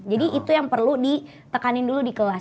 jadi itu yang perlu ditekanin dulu di kelas